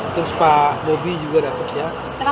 terus pak bobby juga dapat ya